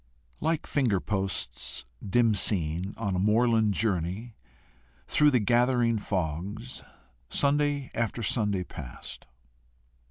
Like finger posts dim seen, on a moorland journey, through the gathering fogs, Sunday after Sunday passed.